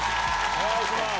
お願いします。